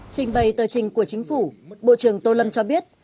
trình bày tờ trình của chính phủ bộ trưởng tô lâm cho biết